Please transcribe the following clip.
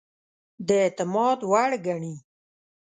د اعتماد وړ ګڼي.